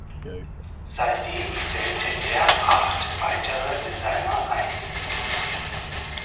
Seitdem stellte er acht weitere Designer ein.